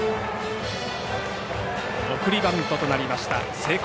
送りバントとなりました、成功。